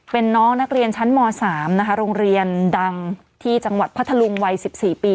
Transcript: เป็นน้องนักเรียนชั้นม๓นะคะโรงเรียนดังที่จังหวัดพัทธลุงวัย๑๔ปี